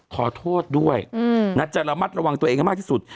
ขอโทษด้วยนะจะระมัดระวังตัวเองให้มากที่สุด